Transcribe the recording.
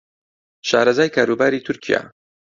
شارەزای کاروباری تورکیا